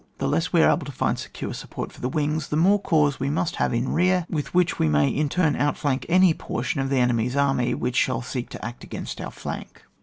The less we are able to find secure support for the wings, the more corps we must have in rear, with which we may in turn outflank any portion of the enemy^s army which shall seek to act against our flank.